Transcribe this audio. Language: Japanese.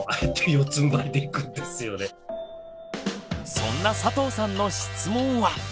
そんな佐藤さんの質問は。